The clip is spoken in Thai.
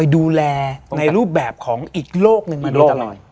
ดูแลในรูปแบบของอีกโลกนึงอีกโลกนึง